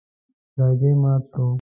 لرګی مات شو.